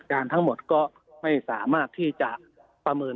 ทั้งหมดก็ไม่สามารถที่จะประเมิน